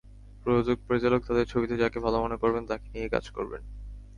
প্রযোজক-পরিচালক তাঁদের ছবিতে যাকে ভালো মনে করবেন, তাঁকে নিয়েই কাজ করবেন।